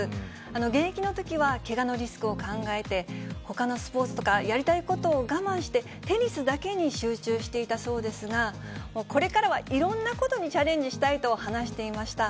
現役のときはけがのリスクを考えて、ほかのスポーツとか、やりたいことを我慢して、テニスだけに集中していたそうですが、これからはいろんなことにチャレンジしたいと話していました。